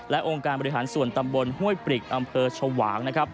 และองค์การบริหารส่วนตำบลห้วยปริกอำเภอชวางนะครับ